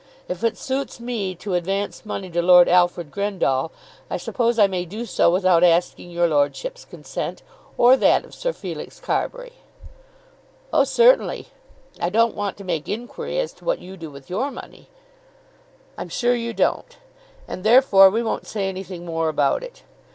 "If it suits me to advance money to Lord Alfred Grendall, I suppose I may do so without asking your lordship's consent, or that of Sir Felix Carbury." "Oh, certainly. I don't want to make inquiry as to what you do with your money." "I'm sure you don't, and, therefore, we won't say anything more about it.